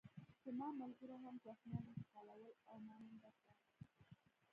زما ملګرو هم زخمیان انتقالول او ما منډه کړه